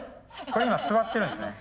これ今座ってるんですね。